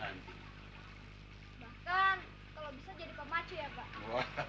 bahkan kalau bisa jadi pemacu ya pak